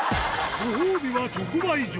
ご褒美は直売所。